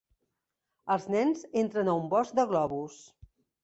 Els nens entren a un bosc de globus.